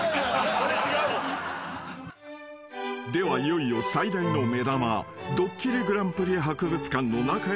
［ではいよいよ最大の目玉ドッキリＧＰ博物館の中へといってみよう］